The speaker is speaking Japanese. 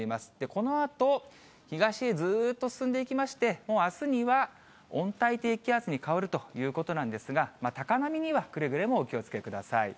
このあと、東へずっと進んでいきまして、もうあすには温帯低気圧に変わるということなんですが、高波にはくれぐれもお気をつけください。